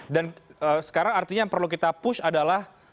dan sekarang artinya yang perlu kita push adalah